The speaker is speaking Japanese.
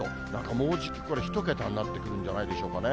もうじきこれ、１桁になってくるんじゃないでしょうかね。